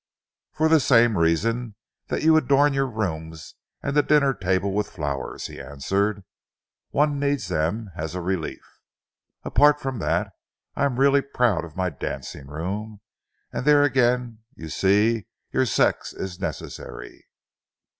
"For the same reason that you adorn your rooms and the dinner table with flowers," he answered. "One needs them as a relief. Apart from that, I am really proud of my dancing room, and there again, you see, your sex is necessary."